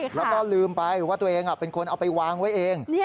แล้วก็ลืมไปว่าตัวเองเป็นคนเอาไปวางไว้เอง